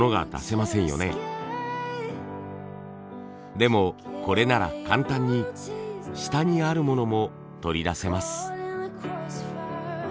でもこれなら簡単に下にある物も取り出せます。